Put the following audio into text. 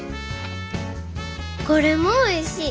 これもおいしい。